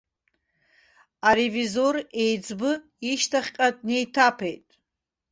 Аревизор еиҵбы ишьҭахьҟа днеиҭаԥеит.